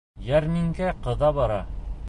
Йәрминкә ҡыҙа бара.